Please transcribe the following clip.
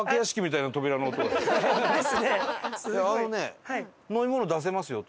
いやあのね「飲み物出せますよ」と。